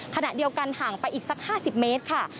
ขณะเดียวกันห่างไปอีกสัก๕๐เมตรค่ะ